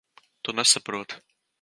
Tu nesaproti.